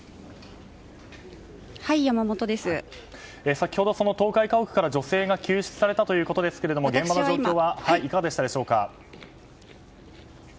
先ほど倒壊家屋から女性が救出されたということですが現場の状況はいかがでしたでしょうか。